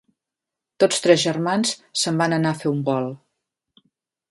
Tots tres germans se'n van anar a fer un volt.